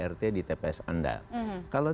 rt di tps anda kalau